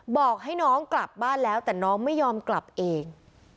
บอกให้น้องกลับบ้านแล้วแต่น้องไม่ยอมกลับเอง